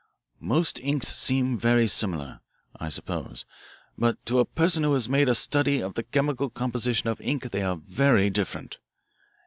"Most inks seem very similar, I suppose, but to a person who has made a study of the chemical composition of ink they are very different.